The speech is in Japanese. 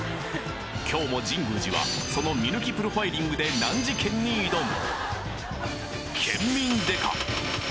今日も神宮寺はその見抜きプロファイリングで難事件に挑む！